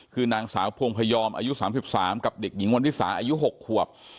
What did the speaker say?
คือนางสาวพวงพยอมอายุสามสิบสามกับเด็กหญิงวรณฤษาอายุหกขวบ